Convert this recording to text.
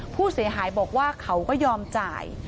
ผู้เสียหายบอกว่าเขาก็ยอมจ่าย